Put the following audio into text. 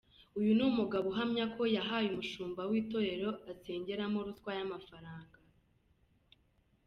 Uyu ni umugabo uhamya ko yahaye umushumba w’Itorero asengeramo ruswa y’amafaranga.